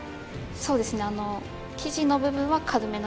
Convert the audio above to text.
そうですね